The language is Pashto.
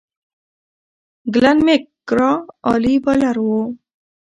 ګلن میک ګرا عالي بالر وو.